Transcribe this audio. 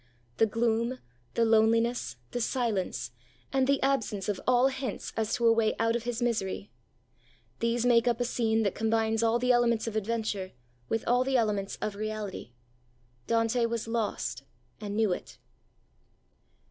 The gloom, the loneliness, the silence, and the absence of all hints as to a way out of his misery; these make up a scene that combines all the elements of adventure with all the elements of reality. Dante was lost, and knew it.